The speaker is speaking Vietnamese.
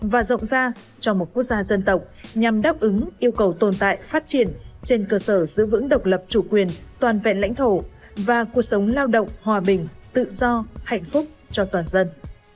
và rộng ra cho một quốc gia dân tộc nhằm đáp ứng yêu cầu tồn tại phát triển trên cơ sở giữ vững độc lập chủ quyền toàn vẹn lãnh thổ và cuộc sống lao động hòa bình tự do hạnh phúc cho toàn dân